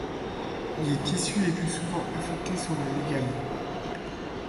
Les tissus les plus souvent affectés sont les ligaments.